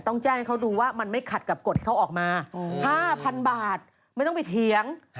ต้องแจ้งให้เขาดูว่ามันไม่ขัดกับกฎเขาออกมา๕๐๐๐บาทไม่ต้องไปเถียง